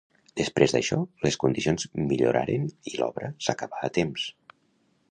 Després d'això, les condicions milloraren i l'obra s'acabà a temps.